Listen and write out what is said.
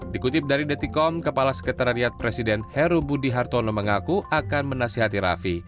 dikutip dari detikom kepala sekretariat presiden heru budi hartono mengaku akan menasihati rafi